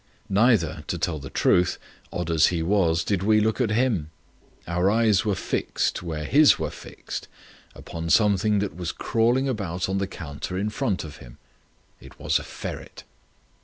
Neither, to tell the truth, odd as he was, did we look at him. Our eyes were fixed, where his were fixed, upon something that was crawling about on the counter in front of him. It was a ferret.